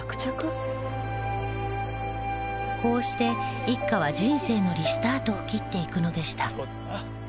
こうして一家は人生のリスタートを切っていくのでした